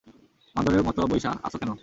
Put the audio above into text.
বান্দরের মতা বইসা, আছো কেনো?